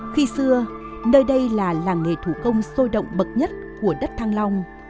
khi xưa nơi đây là làng nghề thủ công sôi động bậc nhất của đất thăng long